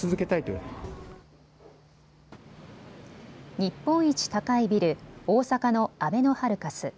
日本一高いビル、大阪のあべのハルカス。